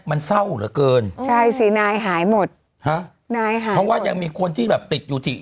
เพราะว่ายังมีคนที่ติดอยู่ถิ